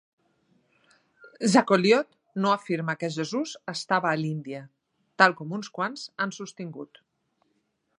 Jacolliot no afirma que Jesús estava a l'Índia, tal com uns quants han sostingut.